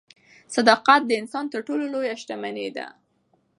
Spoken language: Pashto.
صداقت د انسان تر ټولو لویه شتمني ده.